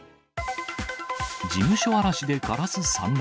事務所荒らしでガラス散乱。